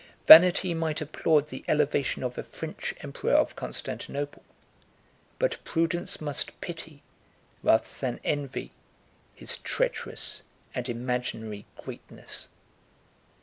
Vanity might applaud the elevation of a French emperor of Constantinople; but prudence must pity, rather than envy, his treacherous and imaginary greatness.